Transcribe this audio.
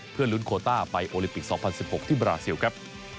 เพื่อลุ้นโคต้าไปโอลิปิก๒๐๑๖ที่บราซิลครับ